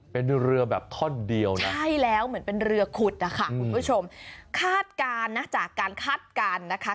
เป็นเรือแบบท่อนเดียวนะใช่แล้วเหมือนเป็นเรือขุดนะคะคุณผู้ชมคาดการณ์นะจากการคาดการณ์นะคะ